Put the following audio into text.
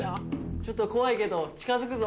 ちょっと怖いけど近づくぞ。